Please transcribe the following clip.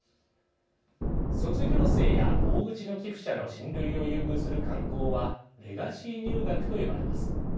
卒業生や大口の寄付者の親類を優遇する慣行はレガシー入学と呼ばれます。